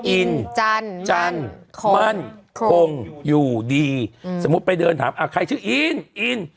อินจันมั่นคงอยู่ดีสมมุติไปเดินถามอ่ะใครชื่ออินอิน